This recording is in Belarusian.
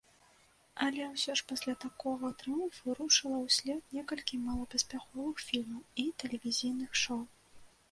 Але ўсё ж пасля такога трыумфу рушыла ўслед некалькі малапаспяховых фільмаў і тэлевізійных шоў.